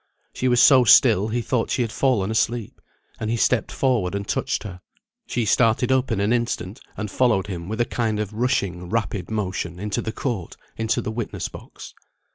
She was so still he thought she had fallen asleep, and he stepped forward and touched her. She started up in an instant, and followed him with a kind of rushing rapid motion into the court, into the witness box.